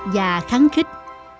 và kháng khích